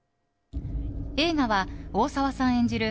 映画は、大沢さん演じる